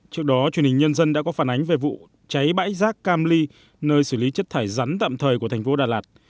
trước đó truyền hình nhân dân đã có phản ánh về vụ cháy bãi rác cam ly nơi xử lý chất thải rắn tạm thời của thành phố đà lạt